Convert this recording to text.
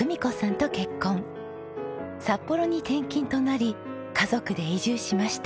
札幌に転勤となり家族で移住しました。